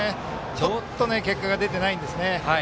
ちょっと結果が出てないんですね。